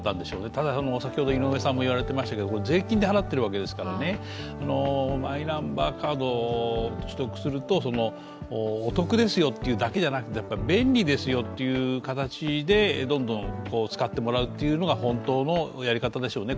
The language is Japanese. ただ、税金で払っているわけですから、マイナンバーカードを取得するとお得ですよというだけじゃなくて便利ですよという形でどんどん使ってもらうというのが本当のやり方でしょうね。